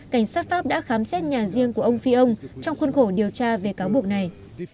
cảnh sát pháp đã khám xét nhà riêng của ông phi ông trong khuôn khổ điều tra về cáo buộc này